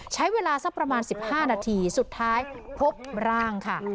ใช้เวลาสักประมาณ๑๕นาทีสุดท้ายพบร่างค่ะ